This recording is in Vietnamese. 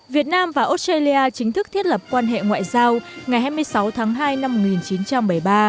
việt nam và australia chính thức thiết lập quan hệ ngoại giao ngày hai mươi sáu tháng hai năm một nghìn chín trăm bảy mươi ba